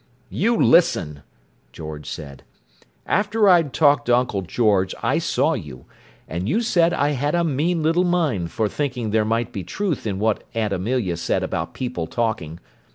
"You listen!" George said. "After I'd talked to Uncle George I saw you; and you said I had a mean little mind for thinking there might be truth in what Aunt Amelia said about people talking.